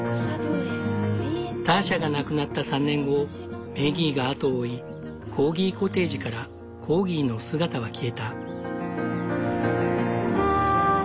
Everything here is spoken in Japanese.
ターシャが亡くなった３年後メギーが後を追いコーギコテージからコーギーの姿は消えた。